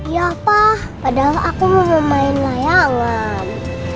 ya pak padahal aku mau main layangan